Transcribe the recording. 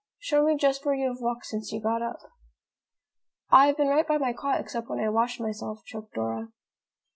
"Show me just where you have walked since you got up." "I have been right by my cot except when I washed myself," choked Dora.